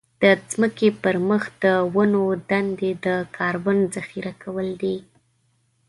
د ځمکې پر مخ د ونو دندې د کاربن ذخيره کول دي.